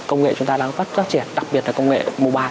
công nghệ chúng ta đang phát triển đặc biệt là công nghệ mobile